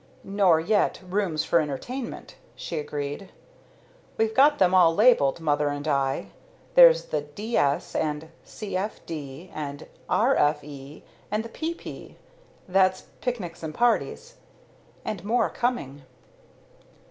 "Nor yet 'rooms for entertainment'," she agreed. "We've got them all labelled, mother and I. There's the 'd. s.' and 'c. f. d.' and 'r. f. e.' and the 'p. p.' That's picnics and parties. And more coming."